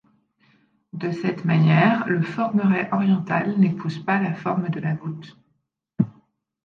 De cette manière, le formeret oriental n'épouse pas la forme de la voûte.